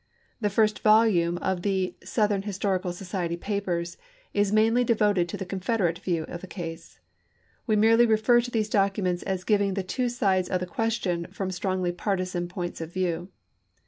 The first volume of the " Southern Historical Society Papers " is mainly devoted to the Confederate view of the case. We merely refer to these documents as giving the two sides of the question from strongly partisan points of view.